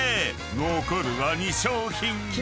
［残るは２商品］